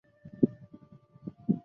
黑暗豹蛛为狼蛛科豹蛛属的动物。